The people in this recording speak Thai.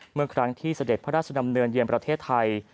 เมื่อครั้งที่เสด็จพระราชดำเนินเยือนประเทศไทย